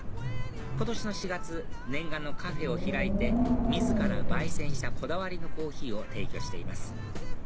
今年の４月念願のカフェを開いて自ら焙煎したこだわりのコーヒーを提供しています